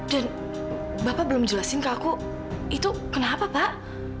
dan bapak belum jelasin ke aku itu kenapa pak